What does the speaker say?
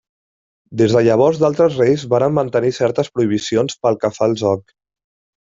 Des de llavors d'altres reis varen mantenir certes prohibicions pel que fa al joc.